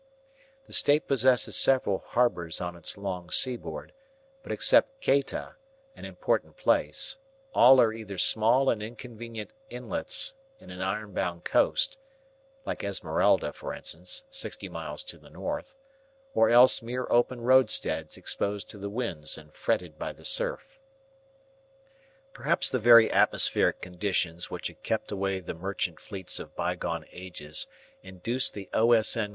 The State possesses several harbours on its long seaboard, but except Cayta, an important place, all are either small and inconvenient inlets in an iron bound coast like Esmeralda, for instance, sixty miles to the south or else mere open roadsteads exposed to the winds and fretted by the surf. Perhaps the very atmospheric conditions which had kept away the merchant fleets of bygone ages induced the O.S.N.